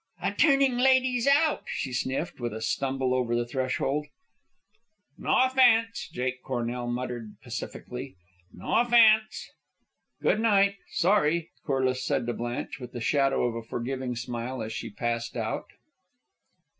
"A turning ladies out!" she sniffed, with a stumble over the threshold; "No offence," Jake Cornell muttered, pacifically; "no offence." "Good night. Sorry," Corliss said to Blanche, with the shadow of a forgiving smile, as she passed out.